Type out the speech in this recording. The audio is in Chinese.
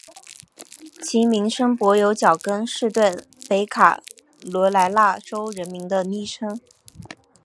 其名称柏油脚跟是对北卡罗来纳州人民的昵称。